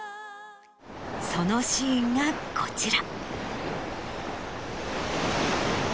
そのシーンがこちら。